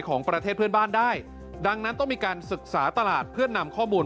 ของประเทศเพื่อนบ้านได้ดังนั้นต้องมีการศึกษาตลาดเพื่อนำข้อมูล